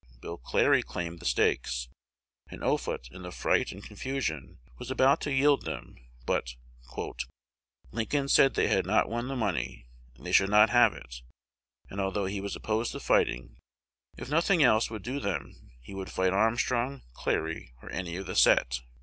Bill Clary claimed the stakes, and Offutt, in the fright and confusion, was about to yield them; but "Lincoln said they had not won the money, and they should not have it; and, although he was opposed to fighting, if nothing else would do them, he would fight Armstrong, Clary, or any of the set."